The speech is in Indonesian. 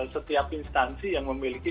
setiap instansi yang memiliki